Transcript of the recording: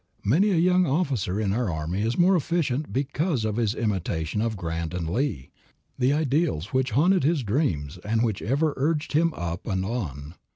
Many a young officer in our army is more efficient because of his imitation of Grant and Lee, the ideals which haunted his dreams and which have ever urged him up and on.